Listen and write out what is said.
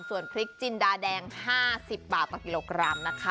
ส่วนพริกจินดาแดง๕๐บาทต่อกิโลกรัมนะคะ